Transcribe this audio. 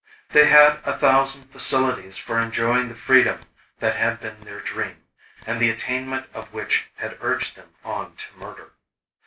They had a thousand facilities for enjoying the freedom that had been their dream, and the attainment of which had urged them on to murder.